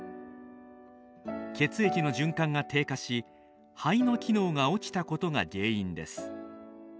血液の循環が低下し肺の機能が落ちたことが原因です。